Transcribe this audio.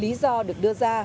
lý do được đưa ra